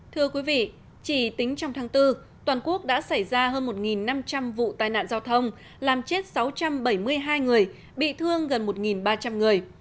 thưa quý vị chỉ tính trong tháng bốn toàn quốc đã xảy ra hơn một năm trăm linh vụ tai nạn giao thông làm chết sáu trăm bảy mươi hai người bị thương gần một ba trăm linh người